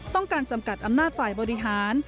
ต้องการจำกัดอำนาจฝ่ายบริหาร